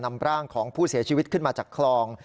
นำร่างของผู้เสียชีวิตขึ้นมาจากคลอง